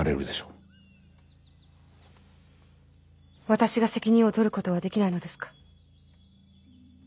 私が責任を取ることはできないのですか。